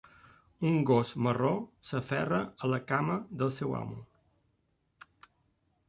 Un gos marró s'aferra a la cama del seu amo.